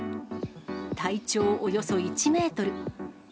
体長およそ１メートル。